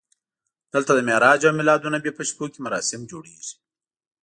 دلته د معراج او میلادالنبي په شپو کې مراسم جوړېږي.